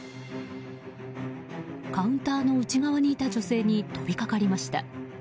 カウンターの内側にいた女性に飛びかかりました。